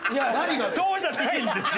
そうじゃないんですよ！